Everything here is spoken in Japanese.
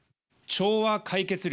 調和解決力。